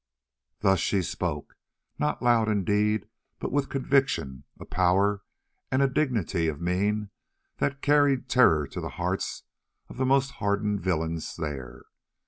Thus she spoke, not loud indeed, but with conviction, a power, and a dignity of mien that carried terror to the hearts of the most hardened villains there.